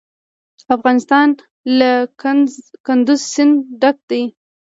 افغانستان له کندز سیند ډک دی.